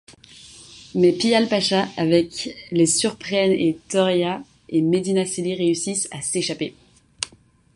Mais Piyale Pacha avec les surprennent et Doria et Médina Celi réussissent à s'échapper.